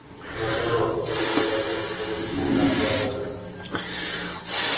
রসালো ও লতাজাতীয় গাছের প্রজাতির সংখ্যা হাজার হাজার।